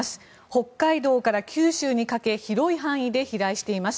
北海道から九州にかけ広い範囲で飛来しています。